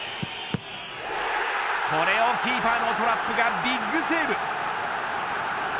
これをキーパーのトラップがビッグセーブ。